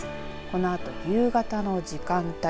このあと夕方の時間帯。